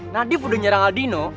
nadif udah nyerang aldino